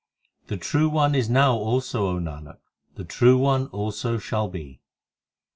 The True One is now also, O Nanak ; the True One also shall be.